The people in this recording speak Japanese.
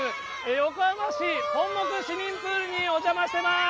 横浜市本牧市民プールにお邪魔してます。